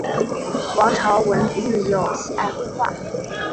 王朝闻自幼喜爱绘画。